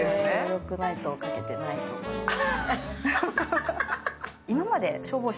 いないと描けてないと思います。